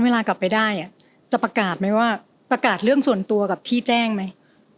เวลากลับไปได้จะประกาศไหมว่าประกาศเรื่องส่วนตัวกับที่แจ้งไหม